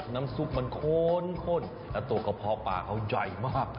น้ำซุปมันโค้นข้นแล้วตัวกระเพาะปลาเขาใหญ่มาก